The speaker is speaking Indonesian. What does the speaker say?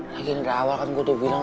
lagi dari awal kan gue udah bilang